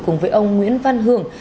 cùng với ông nguyễn văn hường